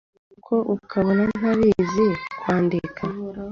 ariko ukabona ntibazi kwandika